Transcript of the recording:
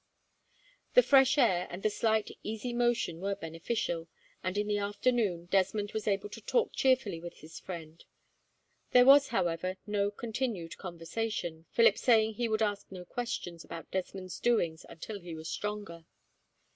The fresh air and the slight easy motion were beneficial, and in the afternoon, Desmond was able to talk cheerfully with his friend. There was, however, no continued conversation, Philip saying he would ask no questions about Desmond's doings until he was stronger.